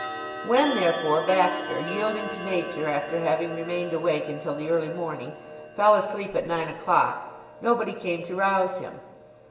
When, therefore, Baxter, yielding to Nature after having remained awake until the early morning, fell asleep at nine o'clock, nobody came to rouse him.